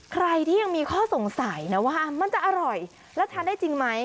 ใครที่ยังมีข้อสงสัยนะว่ามันจะอร่อยแล้วทานได้จริงไหม